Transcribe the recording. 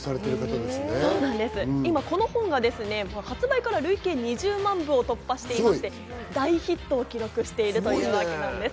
今、この本が発売から累計２０万部を突破していまして、大ヒットを記録しているというわけです。